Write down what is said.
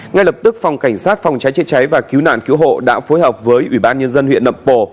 ngay lập tức phòng cảnh sát phòng cháy chữa cháy và cứu nạn cứu hộ đã phối hợp với ubnd huyện nậm pồ